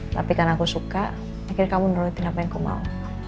tapi karena aku suka akhirnya kamu nurutin apa yang kau mau